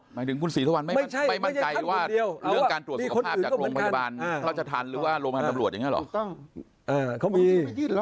หมายถึงคุณศรีฐะวันไม่มั่นใจว่าโรงพยาบาลสุขภาพจากโรงพยาบาลนมรัฐศรรรย์